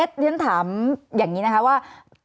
เอสชั้นถามอย่างงี้นะคะว่า